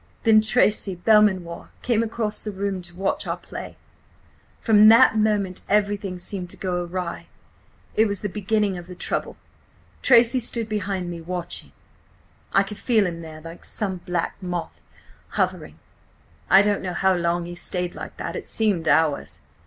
Then Tracy Belmanoir came across the room to watch our play. From that moment everything seemed to go awry. It was the beginning of the trouble. "Tracy stood behind me watching. ... I could feel him there, like some black moth, hovering. ... I don't know how long he stayed like that–it seemed hours.